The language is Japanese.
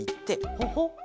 ほほっ。